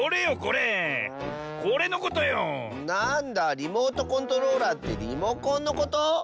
リモートコントローラーってリモコンのこと？